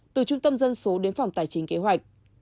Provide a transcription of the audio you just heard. từ trung tâm dân số đến phòng tài chính kế hoạch